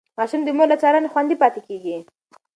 ماشوم د مور له څارنې خوندي پاتې کېږي.